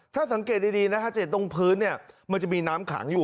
ถ้าสังเกตดีนะฮะจะเห็นตรงพื้นเนี่ยมันจะมีน้ำขังอยู่